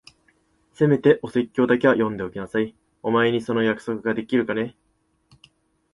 せめてお説教だけは読んでおきなさい。お前にその約束ができるかね？